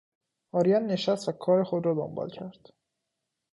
آرین نشست و کار خود را دنبال کرد.